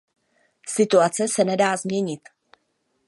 Situace se nedá změnit.